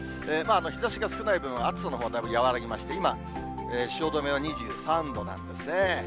日ざしが少ない部分、暑さのほうだいぶ和らぎまして、今、汐留は２３度なんですね。